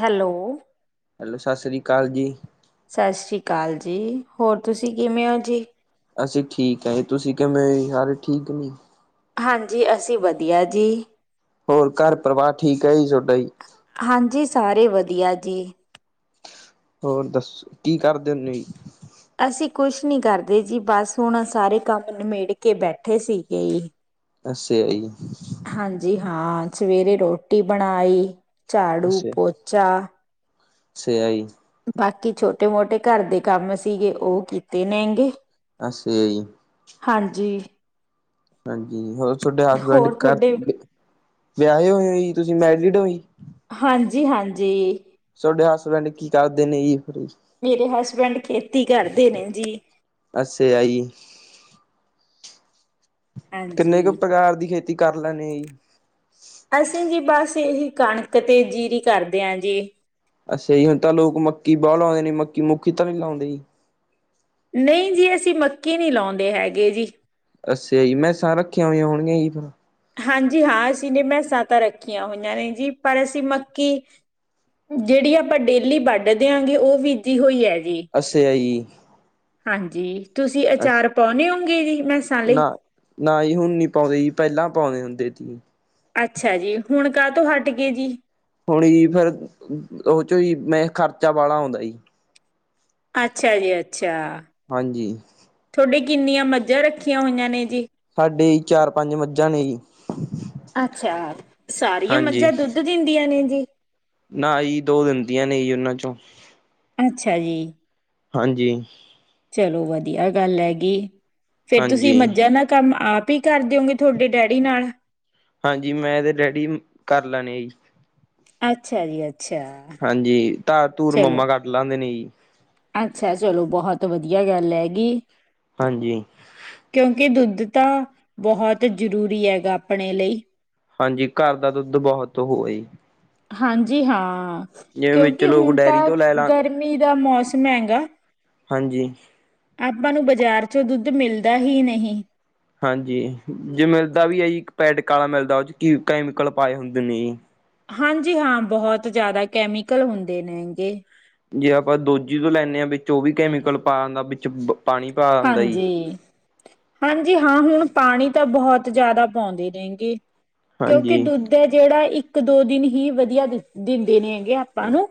Hello- hello Sat Sri ਅਕਾਲ ਜੀ। ਸਤਿ ਸ੍ਰੀ ਅਕਾਲ ਜੀ, ਹੋਰ ਤੁਸੀਂ ਕਿਵੇਂ ਹੋ ਜੀ? ਅਸੀਂ ਠੀਕ ਆਏ ਤੁਸੀਂ ਕਿਵੇਂ ਸਾਰੇ ਠੀਕ ਔ- ਹਾਂਜੀ ਅਸੀਂ ਵਧੀਆ ਜੀ। ਹੋਰ ਘਰ ਪਰਵਾਰ ਠੀਕ ਐ ਤੋਡਾ ਜੀ- ਹਾਂਜੀ ਸਾਰੇ ਵਧੀਆ ਜੀ। ਹੋਰ ਦੱਸ ਕੀ ਕਰਦੇ ਹੁੰਦੇ ਔ? ਅਸੀਂ ਕੁਛ ਨਹੀਂ ਕਰਦੇ ਜੀ ਬਸ ਹੁਣ ਸਾਰੇ ਕੰਮ ਨਿਮੇੜ ਕੇ ਬੈਠੇ ਸੀਗੇ ਏ। ਅੱਛਿਆ ਈ। ਹਾਂ, ਸਵੇਰੇ ਰੋਟੀ ਬਣਾਈ ਝਾੜੂ-ਪੋਚਾ ਅੱਛਿਆ ਹੈ।, ਬਾਕੀ ਛੋਟੇ-ਮੋਟੇ ਘੱਰ ਦੇ ਕੰਮ ਸੀਗੇ ਉਹ ਕੀਤੇ ਨੇਗੇ। ਅੱਛਿਆ ਈ। ਹਾਂਜੀ। ਹਾਂਜੀ ਹੋਰ ਤੁਹਾਡੇ ਹਸਬੈਂਡ ਹੋਰ ਘ ਤੁਹਾਡੇ, ਵਿਆਹੇ ਹੋਏ ਹੋ ਜੀ ਤੁਸੀਂ ਮੈਰੀਡ ਔ ਜੀ? ਹਾਂਜੀ-ਹਾਂਜੀ ਤੁਹਾਡੇ ਹਸਬੈਂਡ ਕੀ ਕਰਦੇ ਨੇ ਜੀ। ਮੇਰੇ ਹਸਬੈਂਡ ਖੇਤੀ ਕਰਦੇ ਨੇ ਜੀ। ਅੱਛਿਆ ਜੀ ਕਿੰਨੇ ਕੁ ਹਾਂਜੀ ਪ੍ਰਕਾਰ ਦੀ ਖੇਤੀ ਕਰ ਲੈਣੇ ਜੀ ਅਸੀਂ ਜੀ ਬ ਅਸੀ ਇਹੀ ਕਣਕ ਤੇ ਜੀਰੀ ਕਰਦੇ ਹਾਂ ਜੀ। ਅੱਛਾ ਜੀ ਹੁਣ ਤਾਂ ਲੋਕ ਮੱਕੀ ਬਹੁਤ ਲਾਦੇ ਨੇ ਮੱਕੀ ਮੁੱਖੀ ਤਾਂ ਨੀ ਲੋਦੇ ਜੀ। ਨਹੀਂ ਜੀ ਅਸੀਂ ਮੱਕੀ ਨੀ ਲਾਉਦੇ ਹੈਗੇ ਜੀ। ਅੱਛਿਆ ਜੀ ਮੈਂਸਾਂ ਰੱਖੀਆਂ ਹੋਈਆਂ ਹੋਣਗੀਆਂ ਜੀ ਫਿਰ। ਹਾਂਜੀ ਹਾਂ ਅਸੀਂ ਨੇ ਮੈਸਾਂ ਤਾਂ ਰੱਖੀਆਂ ਹੋਈਆਂ ਨੇ ਜੀ ਪਰ ਅਸੀਂ ਮੱਕੀ ਜਿਹੜੀ ਆਪਾਂ ਡੇਲੀ ਵੱਢ ਦੇ ਆਂ ਗੇ ਉਹ ਵਿਧੀ ਹੋਈ ਹੈ। ਜੀ ਅੱਛਿਆ ਜੀ। ਹਾਂਜੀ ਤੁਸੀਂ ਅੱਛਾ ਅਚਾਰ ਪਾਉਨੇ ਉਗੇ ਹਾਂਜੀ ਜੀ ਮੈਸਾਂ ਲਈ। ਨਾ ਪਾਉਂਣੇ ਹੁੰਦੇ ਜੀ। ਅੱਛਾ ਜੀ ਹੁਣ ਕਾਹ ਤੋਂ ਹਟ ਗਏ ਜੀ। ਹੁਣ ਜੀ ਫੇਰ ਉਹ ਚੋਂ ਹੀ ਮੈਂ ਖਰਚਾ ਵਾਲਾ ਆਉਂਦਾ ਜੀ। ਅੱਛਾ ਜੀ ਅੱਛਾ, ਹਾਂਜੀ। ਵੀ ਕਿੰਨੀਆਂ ਮੱਝਾਂ ਰੱਖੀਆਂ ਹੋਈਆਂ ਨੇ। ਜੀ। ਸਾਡੀ ਚਾਰ ਪੰਜ ਮੱਝਾਂ ਨੇ ਜੀ। ਅੱਛਾ ਸਾਰੀਆਂ ਹਾਂਜੀ ਮੱਝਾਂ ਦੁੱਧ ਦਿੰਦੀਆਂ ਨੇ ਜੀ। ਨਾ ਜੀ ਦੋ ਦਿੰਦੀਆਂ ਨੇ ਉਹਨਾਂ ਚੋਂ। ਅੱਛਾ ਜੀ। ਹਾਂਜੀ। ਚਲੋ ਵਧੀਆ ਗੱਲ ਹੈਗੀ ਫੇਰ ਤੁਸੀਂ ਹਾਂਜੀ ਮੱਝਾਂ ਨਾ ਕੰਮ ਆਪ ਹੀ ਕਰ ਦਿਓਗੇ ਤੁਹਾਡੇ ਡੈਡੀ ਨਾਲ। ਹਾਂਜੀ ਮੈਂ ਤੇ ਡੈਡੀ ਕਰ ਲੈਣੇ ਆ ਜੀ। ਅੱਛਾ ਜੀ ਆ ਹਾਂਜੀ ਧਾ ਤੂਰ ਮੰਮਾ ਕੱਟ ਲੈਂਦੇ ਨੇ ਜੀ। ਅੱਛਾ ਚਲੋ ਬਹੁਤ ਵਧੀਆ ਗੱਲ ਹੈਗੀ, ਹਾਂਜੀ ਕਿਉਂਕਿ ਦੁੱਧ ਤਾਂ ਬਹੁਤ ਜ਼ਰੂਰੀ ਹੈਗਾ ਆਪਣੇ ਲਈ। ਹਾਂਜੀ ਘਰ ਦਾ ਦੁੱਧ ਬਹੁਤ ਹੋ ਏ ਈ। ਹਾਂਜੀ ਹਾਂ ਵਿੱਚ ਕਿਉਂਕਿ ਲੋਕ ਹੁਣ ਡੇਅਰੀ ਤਾਂ ਤੋਂ ਲੈ ਲਾ ਗਰਮੀ ਦਾ ਮੌਸ ਮਹਿੰਗਾ ਹਾਂਜੀ। ਆਪਾਂ ਨੂੰ ਬਾਜ਼ਾਰ ਚੋਂ ਦੁੱਧ ਮਿਲਦਾ ਹੀ ਨਹੀਂ। ਹਾਂਜੀ ਜੇ ਮਿਲਦਾ ਵੀ ਹੈ ਜੀ ਇਕ ਪੇਟਕ ਆਲਾ ਮਿਲਦਾ ਉਹ ਚ ਕੀ ਕੈਮੀਕਲ ਪਾਏ ਹੁੰਦੇ ਨੇ ਜੀ। ਹਾਂਜੀ ਹਾਂ ਬਹੁਤ ਜ਼ਿਆਦਾ ਕੈਮੀਕਲ ਹੁੰਦੇ ਨੇ ਹੈਗੇ। ਜੇ ਆਪਾਂ ਦੋਜੀ ਤੋਂ ਲੈਂਦੇ ਹਾਂ ਵਿੱਚ ਉਹ ਵੀ ਕੈਮੀਕਲ ਪਾ ਆਦਾ ਵਿੱਚ ਪਾਣੀ ਪਾ ਆਂਦਾ ਜੀ। ਹਾਂਜੀ -ਹਾਂਜੀ ਹਾਂ ਹੁਣ ਪਾਣੀ ਤਾਂ ਬਹੁਤ ਜਾਦਾ ਪਾਉਂਦੇ ਨੇਗੇ ਕਿਉਂਕਿ ਹਾਂਜੀ ਦੁੱਧ ਹੈ ਜਿਹੜਾ ਇ ਇੱਕ ਦੋ ਦਿਨ ਹੀ ਵਧੀਆ ਦਿੰਦੇ ਨੇ ਹੈਗੇ ਆਪਾਂ ਨੂੰ।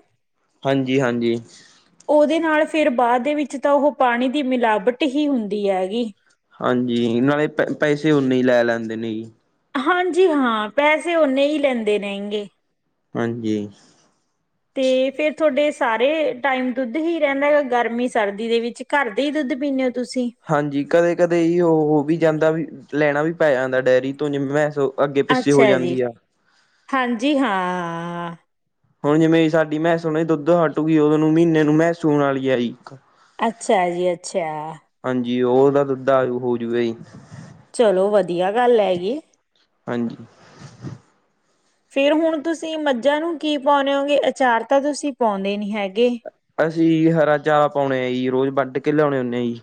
ਹਾਂਜੀ ਹਾਂਜੀ ਉਹਦੇ ਨਾਲ ਫਿਰ ਬਾਅਦ ਦੇ ਵਿੱਚ ਤਾਂ ਉਹ ਪਾਣੀ ਦੀ ਮਿਲਾਵਟ ਹੀ ਹੁੰਦੀ ਹੈਗੀ। ਹਾਂਜੀ ਨਾਲੇ ਪ ਪੈਸੇ ਓਨੇ ਹੀ ਲੈ ਲੈਂਦੇ ਨੇ ਜੀ। ਹਾਂਜੀ ਹਾਂ ਪੈਸੇ ਓਨੇ ਹੀ ਲੈਂਦੇ ਰਹਿਣਗੇ। ਹਾਂਜੀ। ਤੇ ਫੇਰ ਤੁਹਾਡੇ ਸਾਰੇ ਟਾਈਮ ਦੁੱਧ ਹੀ ਰਹਿੰਦਾ ਹੈ ਗਰਮੀ ਸਰਦੀ ਦੇ ਵਿੱਚ ਘਰ ਦੇ ਹੀ ਦੁ ਦੁੱਧ ਪੀਨੇ ਹਾਂਜੀ। ਕਦੇ-ਕਦੇ ਏਹੀਓ ਹੋ ਵੀ ਜਾਂਦਾ ਵੀ ਲੈਣਾ ਵੀ ਪੈ ਜਾਂਦਾ, ਡੈਅਰੀ ਤੋ, ਜਿਵੇਂ, ਮੈਹਸੋ ਅੱਗੇ- ਪਿੱਛੇ ਹੋ ਅੱਛਾ ਜੀ ਜਾਂਦੀ ਆ। ਹਾਂਜੀ, ਹਾ, ਹਾਂ ਆਆ ਹੁਣ ਜਿਵੇਂ, ਸਾਡੀ ਮਹਿਸੋਣ ਦੁੱਧ ਹਟੂਗੀ, ਓਹਦੁਨੁੰ ਨੂੰ ਮਹੀਨੇ ਨੂੰ ਮ੍ਹੈਸ ਸੂਣ ਵਾਲੀ ਆਈ ਅੱਛਾ ਜੀ-ਅੱਛਾ। ਹਾਂਜੀ। ਉਹ ਤਾਂ, ਦੱਦਾ, ਆ ਹੋਜੂਵੇ ‌। ਚਲੋ, ਵਧੀਆ ਗੱਲ ਹੈਗੀ। ਹਾਂਜੀ। ਫਿਰ, ਹੁਣ ''ਤੁਸੀਂ ਮੱਝਾਂ ਨੂੰ ਕੀ ਪਾਉਂਨੇ ਹੋਗੇ? ਅਚਾਰ ਤਾਂ, ਤੁਸੀਂ ਪਾਉਂਦੇ ਨੀ ਹੈਗੇ। ਸੀ ਹਰਾ ਚਾਰਾ ਪਾਉਣੇ ਆ ਜੀ, ਰੋਜ਼ ਵੱਢ- ਕੇ ਲਿਆਉਣੇ ਹੇ ਜੀ।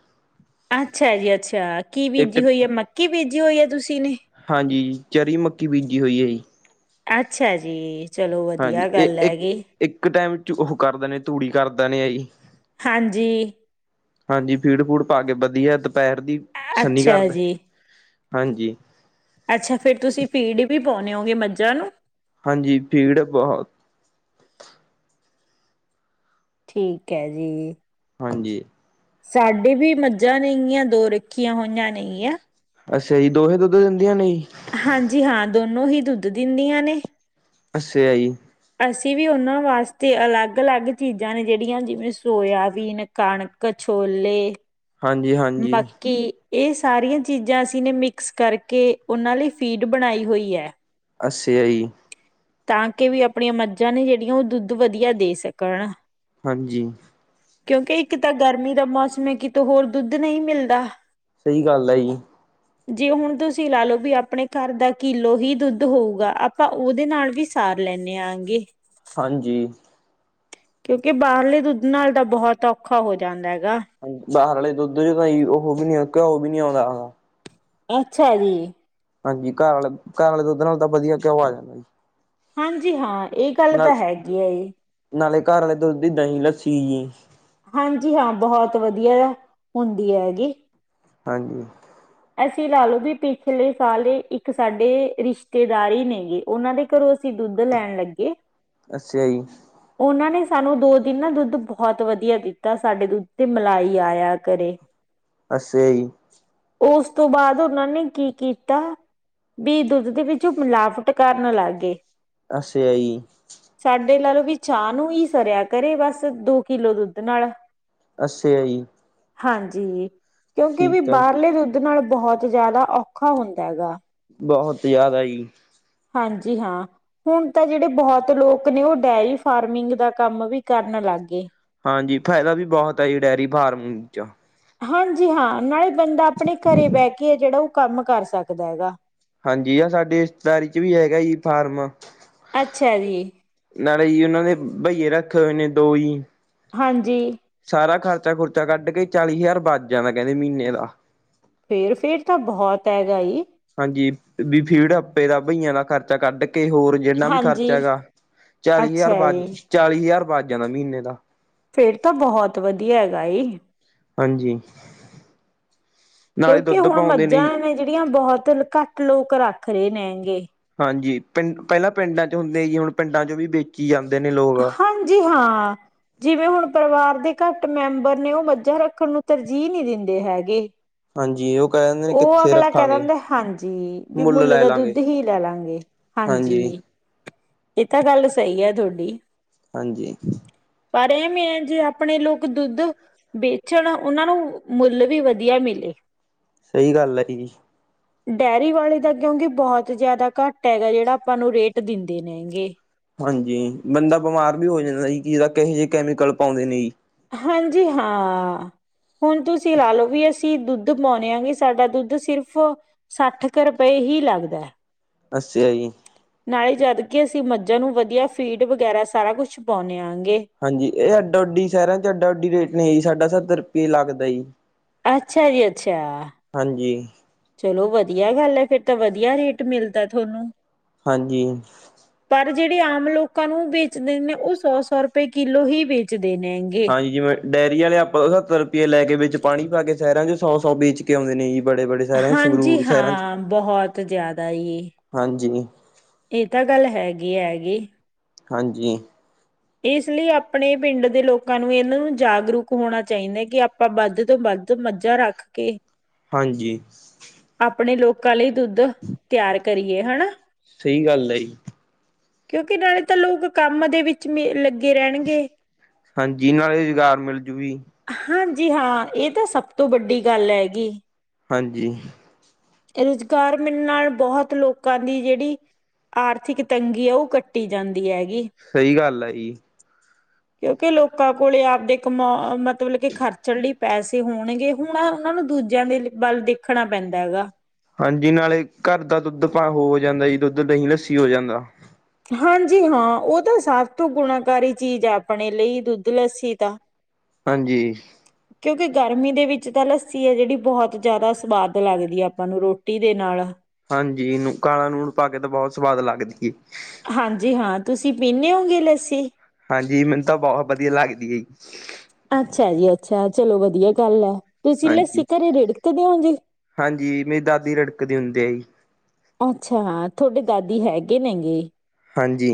ਅੱਛਾ ਜੀ-ਅੱਛਾ! ਕੀ ਇੱਕ ਬੀਜੀ ਹੋਈ ਹੈ? ਮੱਕੀ ਬੀਜੀ ਹੋਈ ਹੈ, ਤੁਸੀਂ ਨੇ? ਹਾਂਜੀ ਚਰੀ ਮੱਕੀ ਬੀਜੀ ਹੋਈ ਹੈ, ਜੀ। ਅੱਛਾ ਜੀ। ਚਲੋ ਵਧੀਆ ਹਾਂਜੀ, ਗੱਲ ਹੈਗੀ ਇਹ-ਇੱਕ-ਇੱਕ, ਟਾਈਮ'ਚ ਉਹ ਕਰਦਾ ਨੇ, ਤੂੜੀ ਕਰਦਾ ਨੇ ਆ ਜੀ। ਹਾਂਜੀ। ਹਾਂਜੀ ਫੀਡ- ਫੂਡ ਪਾਕੇ ਵਧੀਆ ਦੁਪਹਿਰ ਦੀ ਸੰਨੀ ਅੱਛਾ ਘਰਦਾ। ਜੀ ਹਾਂਜੀ। ਅੱਛਾ, ਫੇਰ, ਤੁਸੀਂ ਫੀੜ ਵੀ ਪਾਉਂਨੇ ਹੋਂਗੇ ਮੱਝਾਂ ਨੂੰ? ਹਾਂਜੀ! ਭੀੜ, ਬਹੁ ਠੀਕ ਹੈ, ਜੀ। ਹਾਂਜੀ। ਸਾਡੀੇ ਵੀ, ਮੱਝਾਂ ਨਹੀਂਆਂ, ਦੋ ਰੱਖੀਆਂ ਹੋਈਆਂ ਨੲਈਆਂ ਅੱਛਾ ਜੀ। ਦੋਹੇ, ਦੁੱਧ ਦਿੰਦੀਆਂ ਨਹੀਂ? ਨੂੰ, ਹੀ ਦੁੱਧ ਦਿੰਦੀਆਂ ਨੇ। ਅੱਛੇ-ਆ-ਜੀ। ਅਸੀਂ ਵੀ, ਉਹਨਾਂ ਵਾਸਤੇ ਅਲੱਗ-ਅਲੱਗ ਚੀਜ਼ਾਂ ਨੇ, ਜਿਹੜੀਆਂ ਜਿਵੇਂ ਸੋਇਆਬੀਨ, ਕਣਕ ਛੋਲੇੇ ਹਾਂਜੀ- ਹਾਂਜੀ। 'ਇਹ ਸਾਰੀਆਂ ਚੀਜ਼ਾਂ ਅਸੀਂ ਨੇ ਮਿਕਸ ਕਰਕੇ, ਉਹਨਾਂ ਲਈ ਫੀਡ ਬਣਾਈ ਹੋਈ ਹੈ। ਅਸਿਆਈ ਤਾਂ, ਕਿ, ਵੀ ਆਪਣੀਆਂ ਮੱਝਾਂ ਨੇ, ਜਿਹੜੀਆਂ ਉਹ ਦੁੱਧ ਵਧੀਆ ਦੇ ਸਕਣ। ਹਾਂਜੀ। ਕਿਉਂਕਿ, ਇੱਕ ਤਾਂ ਗਰਮੀ ਦਾ ਮੌਸਮ ਹੈ, ਕਿਤੋ ਹੋਰ, ਦੁੱਧ ਨਹੀਂ ਮਿਲਦਾ। ਸਹੀ ਗੱਲ ਹੈ ਜੀ। ਜੇ, ਹੁਣ ਤੁਸੀਂ ਲਾਲੋ ਵੀ, ਆਪਣੇ ਘਰ ਦਾ ਕਿਲੋ ਹੀ ਦੁੱਧ ਹੋਊਗਾ ਆਪਾਂ ਉਹਦੇ ਨਾਲ ਵੀ, ਸਾਰ ਲੈੇਨੇ ਆਗੇ ਹਾਂਜੀ। ਕਿਉਂਕਿ ਬਾਹਰਲੇ ਦੁੱਧ ਨਾਲ ਤਾਂ, ਬਹੁਤ ਔਖਾ ਹੋ ਜਾਂਦਾ ਹੈਗਾ। ਬਾਹਰ ਵਾਲੇ ਦੁੱਧ'ਚ ਤਾਂ, ਉਹ, ਵੀ, ਨੀ ਘਿਓ ਵੀ ਨੀ ਆਉਂਦਾਗਾ। ਅੱਛਾ ਜੀ! ਹਾਂਜੀ, ਘਰ ਆਲ, ਘਾਰਾਲੇ ਦੁੱਧ ਨਾਲ ਤਾਂ ਵਧੀਆ ਘਿਉ ਆ ਜਾ ਹਾਂਜੀ, ਹਾਂ, ਇਹ ਗੱਲ ਤਾਂ ਹੈਗੀ ਹੈ, ਜੀ। ਨਾਲੇ ਘਰ ਵਾਲੇ ਦੁੱਧ ਦੀ ਦਹੀਂ, ਲੱਸੀ ਹਾਂਜੀ, ਹਾਂ। ਬਹੁਤ ਵਧੀਆ ਹੁੰਦੀ ਹੈਗੀ। ਹਾਂਜੀ। ਅਸੀਂ ਲਾ ਲਓ ਵੀ, ਪਿਛਲੇ ਸਾਲ ਇੱਕ ਸਾਡੇ ਰਿਸ਼ਤੇਦਾਰੀ ਨੇਗੇ ਉਹਨਾਂ ਦੇ ਘਰੋਂ ਅਸੀਂ ਦੁੱਧ ਲੈਣ ਲੱਗੇ। ਅੱਸਯਾ ਜੀ। ਉਹਨਾਂ ਨੇ ਸਾਨੂੰ ਦੋ ਦਿਨ ਨਾ 'ਦੁੱਧ' ਬਹੁਤ ਵਧੀਆ ਦਿੱਤਾ, ਸਾਡੇ ਦੁੱਧ ਤੇ ਮਲਾਈ ਆਇਆ ਕਰੇ। ਅੱਸਯਾ ਜੀ ਓਸ ਤੋਂ, ਬਾਅਦ ਉਹਨਾਂ ਨੇ ਕੀ ਕੀਤਾ ਵੀ ਦੁੱਧ ਦੇ ਵਿੱਚ ਮਿਲਾਵਟ ਕਰਨ ਲੱਗ ਗਏ ਅੱਛਾ ਜੀ ਸਾਡੇ ਲਾ ਲਓ ਵੀ ਚਾਹ ਨੂੰ ਹੀ ਸਰਿਆ ਕਰੇ ਬਸ ਦੋ ਕਿੱਲੋ ਦੁੱਧ ਨਾਲ ਅੱਛਾ ਜੀ ਹਾਂਜੀ ਕਿਉਂਕਿ ਵੀ ਠੀਕ ਹੈ ਬਾਹਰ ਨਾਲ ਬਹੁਤ ਜਿਆਦਾ ਔਖਾ ਹੁੰਦਾ ਹੈਗਾ ਬਹੁਤ ਜ਼ਿਆਦਾ ਜੀ ਹਾਂਜੀ ਹਾਂ ਹੁਣ ਤਾਂ ਜਿਹੜੇ ਬਹੁਤ ਲੋਕ ਨੇ ਉਹ ਡੇਰੀ ਫਾਰਮਿੰਗ ਦਾ ਕੰਮ ਵੀ ਕਰਨ ਲੱਗ ਗਏ ਹਾਂਜੀ ਫਾਇਦਾ ਵੀ ਬਹੁਤ ਆ ਜੀ ਡੇਅਰੀ ਫਾਰਮ ਚ ਹਾਂਜੀ ਹਾਂ ਨਾਲੇ ਬੰਦਾ ਆਪਣੇ ਘਰੇ ਬਹਿ ਕੇ ਆ ਜਿਹੜਾ ਉਹ ਕੰਮ ਕਰ ਸਕਦਾ ਹੈਗਾ ਹਾਂਜੀ ਆ ਸਾਡੇ ਰਿਸ਼ਤੇਦਾਰੀ ਚ ਵੀ ਹੈਗਾ ਹੀ ਫਾਰਮ ਅੱਛਾ ਜੀ ਨਾਲੇ ਹੀ ਉਹਨਾਂ ਦੇ ਬਹਈਏ ਰੱਖੇ ਹੋਏ ਨੇ ਦੋ ਹੀ ਹਾਂਜੀ। ਸਾਰਾ ਖਰਚਾ ਖ਼ੁਰਚਾ ਕੱਢ ਕੇ ਚਾਲੀ ਹਜ਼ਾਰ ਬਚ ਜਾਂਦਾ ਕਹਿੰਦੇ ਮਹੀਨੇ ਦਾ ਫੇਰ- ਫੇਰ ਤਾਂ ਬਹੁਤ ਹੈਗਾ ਜੀ ਵੀ ਫੀਡ ਆਪੇ ਦਾ ਬਈਆਂ ਦਾ ਖਰਚਾ ਕੱਢ ਕੇ ਕਿਹੇ ਹੋਰ ਜਿੰਨਾ ਵੀ ਖਰਚਾ ਹਾਂਜੀ ਹੈਗਾ ਚਾਲੀ ਹਜ਼ਾਰ ਅੱਛਾ ਬਾਜ ਜੀ ਚਾਲੀ ਹਜ਼ਾਰ ਬਚ ਜਾਂਦਾ ਮਹੀਨੇ ਦਾ ਫੇਰ ਤਾਂ ਬਹੁਤ ਵਧੀਆ ਹੈਗਾ ਹਾਂਜੀ। ਨਾਲੇ ਕਿਉਂਕਿ ਦੁੱਧ ਹੁਣ ਪਾਉਂਦੇ ਮੱਝਾਂ ਜੀ ਨੇ ਜਿਹੜੀਆਂ ਬਹੁਤ ਘੱਟ ਲੋਕ ਰੱਖ ਰਹੇ ਨੇ ਹੈਂਗੇ। ਹਾਂਜੀ ਪਿੰਡ, ਪਹਿਲਾਂ ਪਿੰਡਾਂ ਚ ਹੁੰਦੇ ਜੀ ਹੁਣ ਪਿੰਡਾਂ ਚ ਵੀ ਬੇਚੀ ਜਾਨ ਹਾਂਜੀ ਹਾਂ। ਜਿਵੇਂ ਹੁਣ ਪਰਿਵਾਰ ਦੇ ਘੱਟ ਮੈਂਬਰ ਨੇ। ਉਹ ਮੱਝਾਂ ਰੱਖਣ ਨੂੰ ਤਰਜੀਹ ਨਹੀਂ ਦਿੰਦੇ ਹੈਗੇ। ਹਾਂਜੀ ਉਹ ਕਹਿ ਦਿੰਦੇ ਨੇ ਉਹ ਕਿੱਥੇ ਅਗਲਾ ਕਹਿ ਰੱਖਾਂਗੇ ਦਿੰਦਾ ਹਾਂਜੀ ਵੀ ਮੁੱਲ ਲੈ ਦਾ ਲਾਂਗੇ ਦੁੱਧ ਹੀ ਲੈ ਲਾਂਗੇ। ਹਾਂਜੀ। [inaudible] ਇਹ ਤਾਂ ਗੱਲ ਸਹੀ ਹੈ ਥੋਡੀ। ਹਾਂਜੀ। ਪਰ ਐ ਵੈ ਜੇ ਆਪਣੇ ਲੋਕ ਦੁੱਧ ਬੇਚਣ ਉਹਨਾਂ ਨੂੰ ਮੁੱਲ ਵੀ ਵਧੀਆ ਮਿਲੇ। [inaudible] ਸਹੀ ਗੱਲ ਐ ਕੀ ਜੀ। ਡੇਅਰੀ ਵਾਲੇ ਦਾ ਕਿਉਂਕਿ ਬਹੁਤ ਜਿਆਦਾ ਘੱਟ ਹੈਗਾ। ਜਿਹੜਾ ਆਪਾਂ ਨੂੰ ਰੇਟ ਦਿੰਦੇ ਨੇ ਗੇ। ਹਾਂਜੀ ਬੰਦਾ ਬਿਮਾਰ ਵੀ ਹੋ ਜਾਂਦਾ ਜੀ ਕਿ ਪਤਾ ਕਿਹੋ ਜਿਹੇ ਕੈਮੀਕਲ ਪਾਉਂਦੇ ਨੇ ਜੀ। ਹਾਂਜੀ ਹਾਂ। ਹੁਣ ਤੁਸੀਂ ਲਾ ਲਓ ਵੀ ਅਸੀ ਅਸੀਂ ਦੁੱਧ ਪਾਉਂਨੇ ਆ ਸਾਡਾ ਦੁੱਧ ਸਿਰਫ਼ ਸੱਠ ਕੁ ਰੁਪਏ ਹੀ ਲੱਗਦਾ। ਅਸ਼ਾ ਜੀ। ਨਾਲੇ ਜਦ ਕੇ ਅਸੀਂ ਮੱਝਾਂ ਨੂੰ ਵਧੀਆ ਫੀਡ ਵਗੈਰਾ ਸਾਰਾ ਕੁਛ ਪਾਉਂਨੇ ਆਾਂ। ਹਾਂਜੀ ਇਹ ਐਡਾ- ਅਡੀ ਸ਼ਹਿਰਾਂ ਚ ਐਡਾ- ਅਡੀ ਰੇਟ ਨੀ ਹੈ ਜੀ ਸਾਡਾ ਸੱਤਰ ਰੁਪਏ ਲੱਗਦਾ ਜੀ। ਅੱਛਾ ਜੀ ਅੱਛਾ ਹਾਂਜੀ ਚਲੋ ਵਧ ਵਧੀਆ ਗੱਲ ਏ ਫੇਰ ਤੇ ਵਧੀਆ ਰੇਟ ਮਿਲਦਾ ਥੋਹਨੂ। ਹਾਂਜੀ। ਜਿਹੜੇ ਆਮ ਲੋਕਾਂ ਨੂੰ ਵੇਚਦੇ ਨੇ ਉਹ ਸੌ -ਸੌ ਰੁਪਏ ਕਿਲੋ ਹੀ ਵੇਚਦੇ ਨੇਗੇ। ਹਾਂਜੀ ਜਿਵੇਂ ਡੇਅਰੀ ਆਲੇ ਆਪ ਤੋਂ ਸੱਤਰ ਰੁਪਏ ਲੈ ਕੇ ਵਿੱਚ ਪਾਣੀ ਪਾ ਕੇ ਸ਼ਹਿਰਾਂ ਚ ਸੌ -ਸੌ ਬੇਚ ਕੇ ਆਉਂਦੇ ਨੇ ਜੀ। ਬੜੇ- ਬੜੇ ਸ਼ਹਿਰਾਂ ਹਾਂਜੀ ਸੰਗਰੂਰ ਸ਼ਹਿਰਾਂ ਚ, ਹਾਂ ਬਹੁਤ ਜ਼ਿਆਦਾ ਜੀ ਹਾਂਜੀ। ਇਹ ਤਾਂ ਗੱਲ ਹੈਗੀ- ਹੈਗੀ। ਹਾਂਜੀ। ਇਸ ਲਈ ਆਪਣੇ ਪਿੰਡ ਦੇ ਲੋਕਾਂ ਨੂੰ ਇਹ ਨੂੰ ਜਾਗਰੂਕ ਹੋਣਾ ਚਾਹੀਦਾ ਕਿ ਆਪਾਂ ਬਧ ਤੋਂ ਬਧ ਅ ਮੱਝਾਂ ਰੱਖ ਕੇ ਹਾਂਜੀ। ਕੱਲ ਲਈ ਦੁੱਧ ਤਿਆਰ ਕਰੀਏ ਹਨਾ। ਸਹੀ ਗੱਲ ਐ ਜੀ। ਕਿਉਂਕਿ ਨਾਲੇ ਤਾਂ ਲੋਕ ਕੰਮ ਦੇ ਵਿੱਚ ਲੱਗੇ ਰਹਿਣਗੇ। ਹਾਂਜੀ ਨਾਲੇ ਰੁਜ਼ਗਾਰ ਮਿਲਜੂ ਜੀ ਹਾਂਜੀ, ਜੀ ਹਾਂ, ਇਹ ਤਾਂ ਸਭ ਤੋਂ ਵੱਡੀ ਗੱਲ ਐ ਗੀ। ਹਾਂਜੀ। ਰੁਜ਼ਗਾਰ ਮਿਲ ਨਾਲ ਬਹੁਤ ਲੋਕਾਂ ਦੀ ਜਿਹੜੀ ਆਰਥਿਕ ਤੰਗੀ ਆ ਉਹ ਕੱਟੀ ਜਾਂਦੀ। ਹੈਗੀ ਸਈ ਗੱਲ ਆ ਜੀ। ਕਿਉਂਕਿ ਲੋਕਾਂ ਕੋਲ ਆਪਦੇ ਕਮਾ ਮਤਲਬ ਕਿ ਖਰਚਣ ਲਈ ਪੈਸੇ ਹੋਣਗੇ ਹੁਣ ਉਹਨਾਂ ਨੂੰ ਦੂਜਿਆਂ ਦੇ ਵੱਲ ਦੇਖਣਾ ਪੈਂਦਾ ਗਾ। ਹਾਂਜੀ, ਨਾਲੇ ਘਰ ਦਾ ਦੁੱਧ ਪਾ ਹੋ ਜਾਂਦਾ ਜੀ। ਦੁੱਧ ਦਹੀਂ ਲੱਸੀ ਹੋ ਜਾਂਦਾ। ਹਾਂਜੀ ਹਾਂ, ਉਹ ਤਾਂ ਸਭ ਤੋਂ ਗੁਣਾਕਾਰੀ ਚੀਜ਼ ਐ ਆਪਣੇ ਲਈ ਦੁੱਧ ਲੱਸੀ ਤਾਂ। ਹਾਂਜੀ। ਕਿਉਂਕਿ ਗਰਮੀ ਦੇ ਵਿੱਚ ਤਾਂ ਲੱਸੀ ਐ ਜਿਹੜੀ ਬਹੁਤ ਜ਼ਿਆਦਾ ਸਵਾਦ ਲੱਗਦੀ ਐ ਆਪਾਂ ਨੂੰ ਰੋਟੀ ਦੇ ਨਾਲ। ਹਾਂਜੀ। ਇਹਨੂੰ ਕਾਲਾ ਨੂਣ ਪਾ ਕੇ ਤੇ ਬਹੁਤ ਸਵਾਦ ਲੱਗਦੀ ਏ। ਹਾਂਜੀ ਹਾਂ, ਤੁਸੀਂ ਪੀਂਨੇ ਓ ਗੇ ਲੱਸੀ? ਹਾਂਜੀ। ਮੈਨੂੰ ਤਾਂ ਬਹੁਤ ਵਧੀਆ ਲੱਗਦੀ ਐ ਜੀ। ਅੱਛਾ ਜੀ ਅੱਛਾ, ਚਲੋ ਵਧੀਆ ਗੱਲ ਐ। ਹਾਂਜੀ-ਹਾਂਜੀ, ਮੇਰੀ ਦਾਦੀ ਰਿੜਕ ਦੀ ਹੁੰਦੀ ਆ ਜੀ। ਅੱਛਾ, ਥੋਡੇ ਦਾਦੀ ਹੈਗੇ ਨੇ ਗੇ। ਹਾਂਜੀ।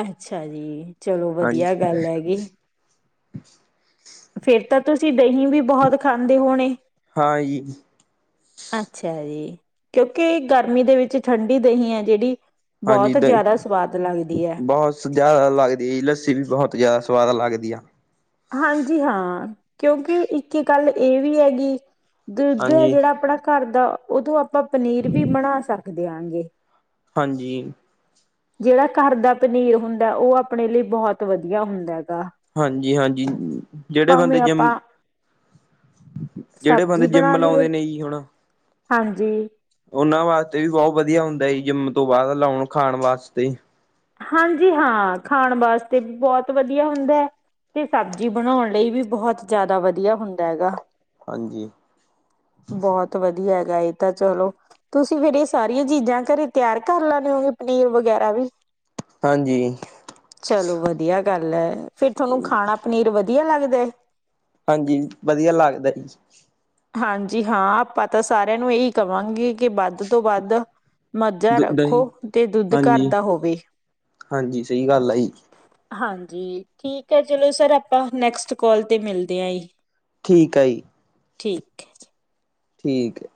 ਅੱਛਾ ਜੀ, ਚਲੋ ਹਾਂਜੀ ਵਧੀਆ ਗੱਲ ਐ ਗੀ। ਫਿਰ ਤਾਂ ਤੁਸੀਂ ਦਹੀਂ ਵੀ ਬਹੁਤ ਖਾਂਦੇ ਹੋਣੇ। ਹਾਂ ਜੀ ਅੱਛਾ ਜੀ, ਕਿਉਂਕਿ ਗਰਮੀ ਦੇ ਵਿੱਚ ਠੰਡੀ ਦਹੀਂ ਐ ਜਿਹੜੀ। ਹਾਂਜੀ ਬਹੁਤ ਦ ਜ਼ਿਆਦਾ ਸਵਾਦ। ਲੱਗਦੀ ਹੈ ਬਹੁਤ ਜ਼ਿਆਦਾ ਲੱਗਦੀ ਆ ਜੀ ਲੱਸੀ ਵੀ ਬਹੁਤ ਜਿਆਦਾ ਸਵਾਦ ਲੱਗਦੀ ਆ। ਹਾਂਜੀ ਹਾਂ, ਕਿਉਂਕਿ ਇੱਕ ਗੱਲ ਇਹ ਵੀ ਐ ਗੀ। ਦੁੱਧ ਐ ਹਾਂਜੀ। ਜਿਹੜਾ ਆਪਣਾ ਘਰ ਦਾ ਉਹ ਤੋਂ ਆਪਾਂ ਪਨੀਰ ਵੀ ਬਣਾ ਸਕਦੇ ਆ ਗੇ। ਹਾਂਜੀ। ਜਿਹੜਾ ਘਰ ਦਾ ਪਨੀਰ ਹੁੰਦਾ। ਉਹ ਆਪਣੇ ਲਈ ਬਹੁਤ ਵਧੀਆ ਹੁੰਦਾ। ਹੈਗਾ ਹਾਂਜੀ-ਹਾਂਜੀ, ਜਿਹੜੇ ਭਾਵੇਂ ਬੰਦੇ ਜਿੰਮ। ਆਪਾਂ ਜਿਹੜੇ ਬੰਦੇ ਸਬਜ਼ੀ ਜਿੰਮ ਬਣਾ ਲਈਏ ਲਾਉਂਦੇ ਨੇ ਜੀ ਹੁਣ ਹਾਂਜੀ। ਉਹਨਾਂ ਵਾਸਤੇ ਵੀ ਬਹੁਤ ਵਧੀਆ ਹੁੰਦਾ ਜੀ ਜਿੰਮ ਤੋਂ ਬਾਅਦ ਲਾਉਣ ਖਾਣ ਵਾਸਤੇ। ਹਾਂਜੀ ਹਾਂ, ਖਾਣ ਵਾਸਤੇ ਬਹੁਤ ਵਧੀਆ ਹੁੰਦਾ। ਤੇ ਸਬਜ਼ੀ ਬਣਾਉਣ ਲਈ ਵੀ ਬਹੁਤ ਜ਼ਿਆਦਾ ਵਧੀਆ ਹੁੰਦਾ ਗਾ। ਹਾਂਜੀ। ਬਹੁਤ ਵਧੀਆ। ਗਾ ਇਹ ਤਾਂ ਚਲੋ ਤੁਸੀਂ ਫੇਰ ਇਹ ਸਾਰੀਆਂ ਚੀਜ਼ਾਂ ਘਰੇ ਤਿਆਰ ਕਰ ਲੈਣੇ ਓ ਗੇ ਪਨੀਰ ਵਗੈਰਾ ਵੀ। ਹਾਂਜੀ, ਚਲੋ ਵਧੀਆ ਗੱਲ ਐ ਫਿਰ ਤੁਹਾਨੂੰ ਖਾਣਾ ਪਨੀਰ ਵਧੀ ਆ ਲੱਗਦਾ। ਹਾਂਜੀ, ਵਧੀਆ ਲੱਗਦਾ ਜੀ। ਹਾਂਜੀ ਹਾਂ, ਆਪਾਂ ਤਾਂ ਸਾਰਿਆਂ ਨੂੰ ਇਹੀ ਕਬਾ ਗੇ ਕਿ ਵੱਧ ਤੋਂ ਵੱਧ। ਮੱਝਾ ਰੱਖੋ ਦਹੀਂ ਤੇ ਦੁੱਧ ਘਰ ਹਾਂਜੀ, ਦਾ ਹੋਵੇ। ਹਾਂਜੀ ਸਹੀ ਗੱਲ ਆ ਜੀ ਹਾਂਜੀ ਠੀਕ ਐ। ਚਲੋ ਸਰ ਆਪਾਂ ਨੈਕਸਟ ਕੋਲ ਤੇ ਮਿਲਦੇ ਆ ਜੀ। ਠੀਕ ਆ ਜੀ। ਠੀਕ ਐ ਜੀ। ਠੀਕ ਐ।